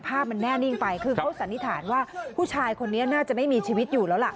มันแน่นิ่งไปคือเขาสันนิษฐานว่าผู้ชายคนนี้น่าจะไม่มีชีวิตอยู่แล้วล่ะ